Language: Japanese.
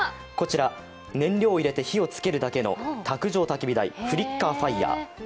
こちら燃料を入れて火をつけるだけの卓上たき火台、フリッカーファイヤー。